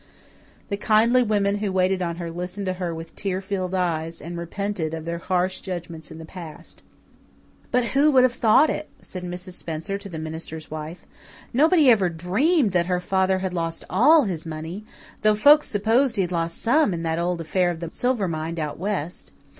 The kindly women who waited on her listened to her with tear filled eyes, and repented of their harsh judgments in the past. "But who would have thought it?" said Mrs. Spencer to the minister's wife. "Nobody ever dreamed that her father had lost ALL his money, though folks supposed he had lost some in that old affair of the silver mine out west.